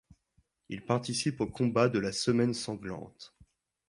Il participe aux combats de la semaine sanglante.